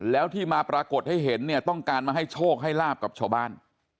แล้วที่มาปรากฏให้เห็นเนี่ยต้องการมาให้โชคให้ลาบกับชาวบ้าน